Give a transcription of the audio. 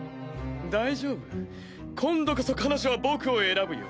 大丈夫今度こそ彼女は僕を選ぶよ。